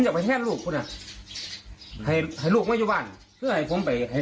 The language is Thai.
อย่าไปแห้งลูกคุณอ่ะให้ให้ลูกมาอยู่บ้านเพื่อให้ผมไปให้